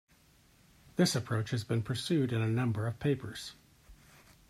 This approach has been pursued in a number of papers.